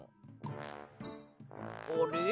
あれ？